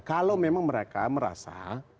kalau memang mereka merasa